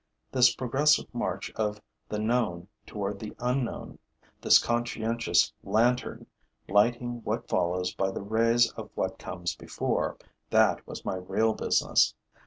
This progressive march of the known toward the unknown, this conscientious lantern lighting what follows by the rays of what comes before: that was my real business.